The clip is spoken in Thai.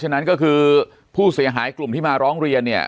จนถึงปัจจุบันมีการมารายงานตัว